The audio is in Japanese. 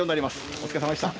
お疲れさまでした。